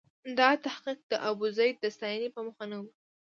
دا تحقیق د ابوزید د ستاینې په موخه نه و.